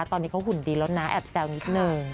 ตอนนี้เขาหุ่นดีแล้วนะแอบแซวนิดนึง